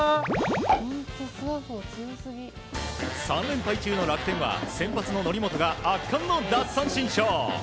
３連敗中の楽天は先発の則本が圧巻の奪三振ショー。